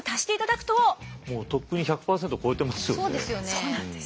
そうなんです。